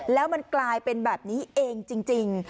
แล้วมันกลายเป็นแบบนี้เองจริง